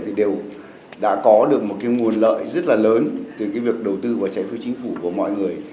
thì đều đã có được một cái nguồn lợi rất là lớn từ cái việc đầu tư vào trái phiếu chính phủ của mọi người